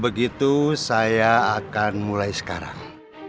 baik kalau begitu saya akan mulai sekarang